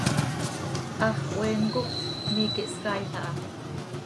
Hax hoeen cop miiqui hscaail aha.